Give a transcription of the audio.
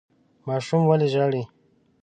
ماشوم ولې ژاړي ؟